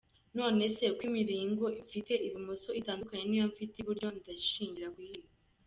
none c ko imiringo mfite ibumoso itandukanye niy mfit iburyo ndashingira kuyihe?????.